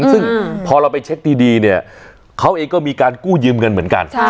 ซึ่งพอเราไปเช็คดีเนี่ยเขาเองก็มีการกู้ยืมเงินเหมือนกัน